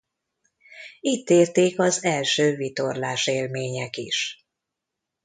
Itt érték az első vitorlás élmények is.